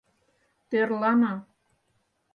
— Тӧрлана.